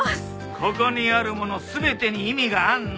ここにあるもの全てに意味があるの。